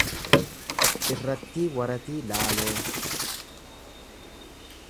Irrattii Waratii Laaloo